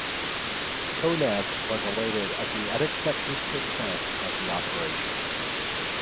Konev was elated at the unexpected success of the operation.